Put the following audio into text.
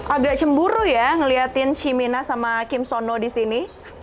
agak cemburu ya ngeliatin shimina sama kim seonho disini